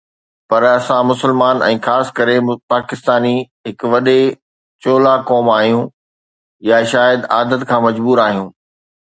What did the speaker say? پر اسان مسلمان ۽ خاص ڪري پاڪستاني هڪ وڏي چولا قوم آهيون، يا شايد عادت کان مجبور آهيون